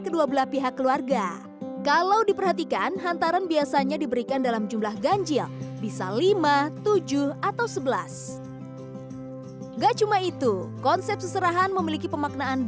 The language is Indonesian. dan siap bertanggung jawab